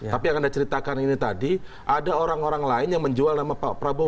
tapi yang anda ceritakan ini tadi ada orang orang lain yang menjual nama pak prabowo